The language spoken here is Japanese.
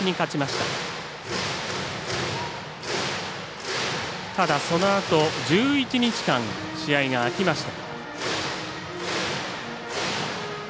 ただ、そのあと１１日間試合が空きました。